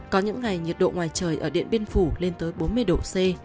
có những ngày nhiệt độ ngoài trời ở điện biên phủ lên tới bốn mươi độ c